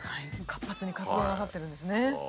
活発に活動なさってるんですね。